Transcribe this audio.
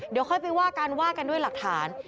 เดี๋ยวค่อยไปว่ากันว่ากันด้วยหลักฐาน